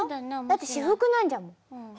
だって私服なんじゃもん。